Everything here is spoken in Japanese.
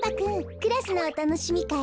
クラスのおたのしみかい